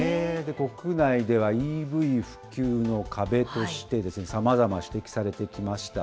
国内ではＥＶ普及の壁としてさまざま指摘されてきました。